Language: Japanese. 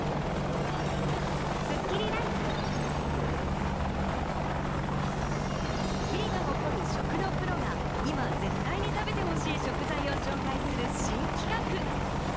『スッキリ』が誇る食のプロが今、絶対に食べてほしい食材を紹介する新企画。